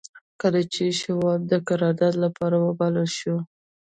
کله چې شواب د قرارداد لپاره وبلل شو.